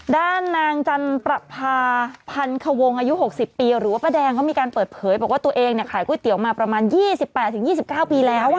ด้านนางจันประพาพันควงอายุ๖๐ปีหรือว่าป้าแดงเขามีการเปิดเผยบอกว่าตัวเองขายก๋วยเตี๋ยวมาประมาณ๒๘๒๙ปีแล้ว